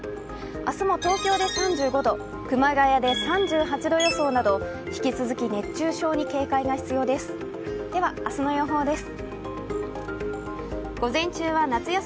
明日も東京で３５度、熊谷で３８度予想など引き続き、熱中症に警戒が必要です。